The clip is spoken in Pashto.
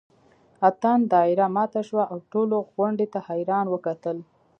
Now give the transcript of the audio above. اتڼ دایره ماته شوه او ټولو غونډۍ ته حیران وکتل.